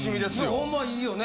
ホンマ良いよね！